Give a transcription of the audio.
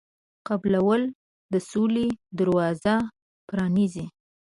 قبلول د سولې دروازه پرانیزي.